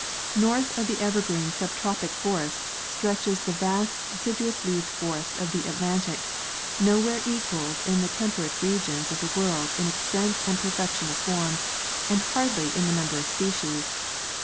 North of the evergreen subtropic forest stretches the vast deciduous leaved forest of the Atlantic, nowhere equaled in the temperate regions of the world in extent and perfection of form, and hardly in the number of species.